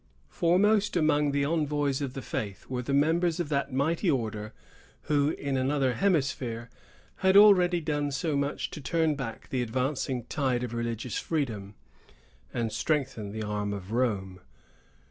Foremost among the envoys of the faith were the members of that mighty order, who, in another hemisphere, had already done so much to turn back the advancing tide of religious freedom, and strengthen the arm of Rome.